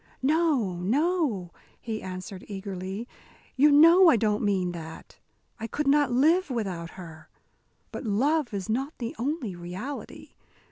"No, no," he answered, eagerly, "you know I don't mean that. I could not live without her. But love is not the only reality.